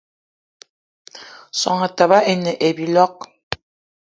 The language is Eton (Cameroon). Soan Etaba ine a biloig